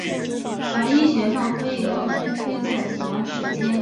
法医学上可以用来推测死亡时间。